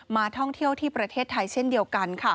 ท่องเที่ยวที่ประเทศไทยเช่นเดียวกัน